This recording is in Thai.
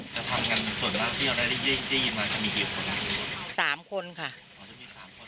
จะทำกันส่วนมากที่เราได้ได้ยินมาจะมีกี่คนสามคนค่ะอ๋อจะมีสามคน